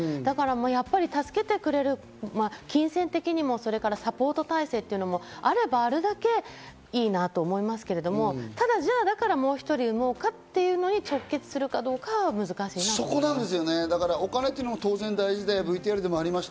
やっぱり助けてくれる、金銭的にもサポート体制というのもあればあるだけいいなと思いますけれども、ただ、じゃあだからもう１人産もうかっていうのに直結するかどうお金も当然大事で、ＶＴＲにもありました。